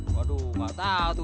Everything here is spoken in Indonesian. waduh pak tahu